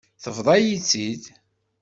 Tebḍa-yi-tt-id.